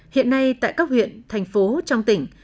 hiện nay tại các huyện thành phố trong tỉnh